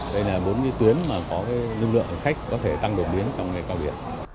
đây là bốn tuyến có lượng khách có thể tăng độ biến trong ngày cao biển